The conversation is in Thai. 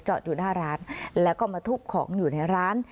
อยู่หน้าร้านแล้วก็มาทุบของอยู่ในร้าน